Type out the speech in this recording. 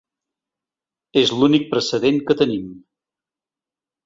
És l’únic precedent que tenim.